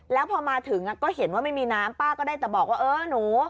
แล้วพอมาถึงก็เห็นว่าไม่มีน้ำป้าก็ได้แต่บอกว่าเออหนู